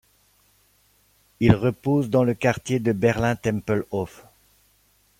Il repose au dans le quartier de Berlin-Tempelhof.